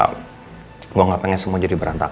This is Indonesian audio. gue gak pengen semua jadi berantakan